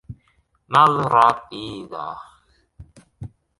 malrapida